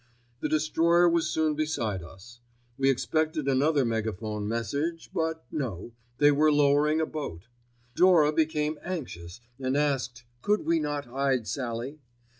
The destroyer was soon beside us. We expected another megaphone message; but no, they were lowering a boat. Dora became anxious and asked, could we not hide Sallie?